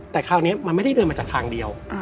แต่คราวนี้มันไม่ได้เดินมาจากทางเดียว